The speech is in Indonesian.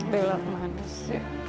belak manis ya